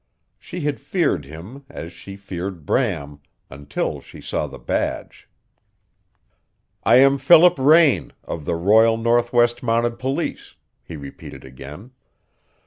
She had feared him, as she feared Bram, until she saw the badge. "I am Philip Raine, of the Royal Northwest Mounted Police," he repeated again.